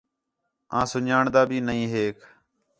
آں سُن٘ڄاݨدا بھی نہیں ہیک